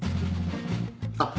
あっ！